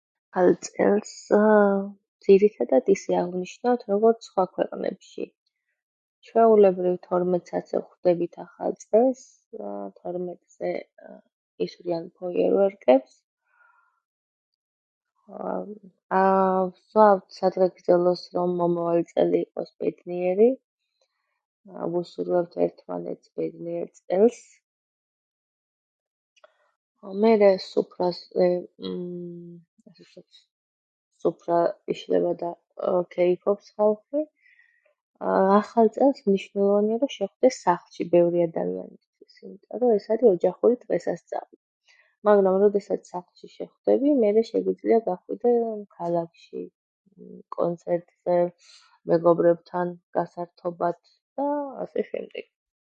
ალ წელს ძირითადად ისე აღვნიშნავთ, როგორც სხვა ქვეყნებში. ჩვეულებრივ თორმეტ საათზე ვხვდებით ახალ წელს, თორმეტზე ისვრიან ფოიერვერკებს, ვსვამთ სადღეგრძელოს, რომ მომავალი წელი იყოს ბედნიერი, ვუსურვებთ ერთმანეთს ბედნიერ წელს, მერე სუფრაზე სუფრა იშლება და ქეიფობს ხალხი. ახალწელს მნიშვნელოვანია, რომ შეხვდე სახლში ბევრი ადამიანისთვის, იმიტომ რომ ეს არის ოჯახური დღესასწაული, მაგრამ როდესაც სახში შეხვდები, მერე შეგიძლია გახვიდე ქალაქში, კონცერტზე, მეგობრებთან, გასართობად და ასე შემდეგ.